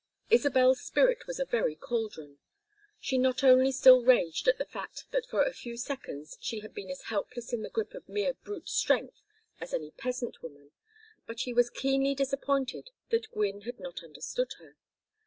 Isabel's spirit was a very caldron. She not only still raged at the fact that for a few seconds she had been as helpless in the grip of mere brute strength as any peasant woman, but she was keenly disappointed that Gwynne had not understood her.